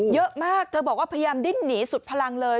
เยอะมากเธอบอกว่าพยายามดิ้นหนีสุดพลังเลย